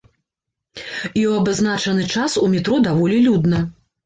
І ў абазначаны час у метро даволі людна.